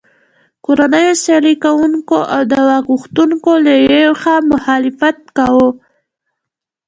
کورنیو سیالي کوونکو او د واک غوښتونکو له یوې خوا مخالفت کاوه.